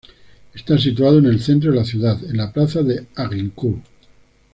Está situado en el centro de la ciudad, en la plaza de Agincourt.